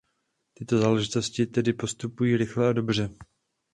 Tyto záležitosti tedy postupují rychle a dobře.